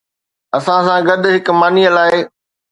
اسان سان گڏ هڪ ماني لاء